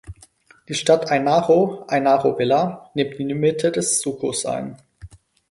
Die Stadt Ainaro "(Ainaro Vila)" nimmt die Mitte des Sucos ein.